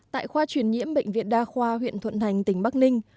tại khoa truyền nhiễm bệnh viện đa khoa huyện thuận thành tỉnh bắc ninh